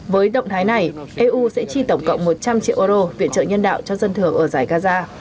với động thái này eu sẽ chi tổng cộng một trăm linh triệu euro viện trợ nhân đạo cho dân thường ở giải gaza